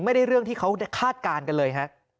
ไม่ได้เรื่องที่เขาคาดการณ์กันเลย